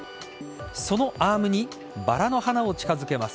そのアームにバラの花を近づけます。